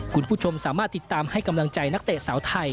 คุณผู้ชมสามารถติดตามให้กำลังใจนักเตะสาวไทย